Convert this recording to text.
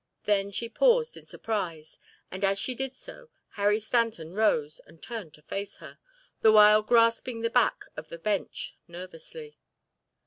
Then she paused in surprise and as she did so, Harry Stanton rose and turned to face her, the while grasping the back of the bench nervously....